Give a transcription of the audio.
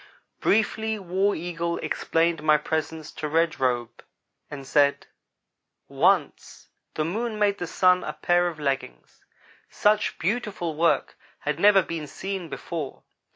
Briefly War Eagle explained my presence to Red Robe and said: "Once the Moon made the Sun a pair of leggings. Such beautiful work had never been seen before.